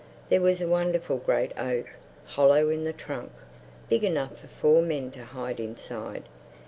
There was a wonderful great oak, hollow in the trunk, big enough for four men to hide inside.